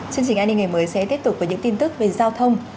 chương trình an ninh ngày mới sẽ tiếp tục với những tin tức về giao thông